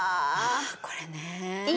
これね。